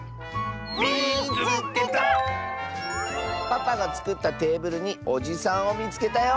「パパがつくったテーブルにおじさんをみつけたよ！」。